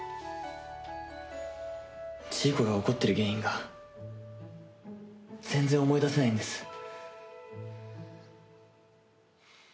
ジーコが怒ってる原因が全然思い出せないんです。